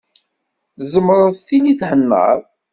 Tzemreḍ tili thennaḍ.